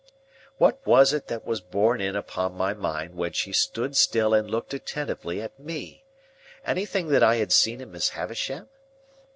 What was it that was borne in upon my mind when she stood still and looked attentively at me? Anything that I had seen in Miss Havisham?